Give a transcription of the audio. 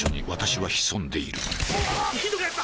ひどくなった！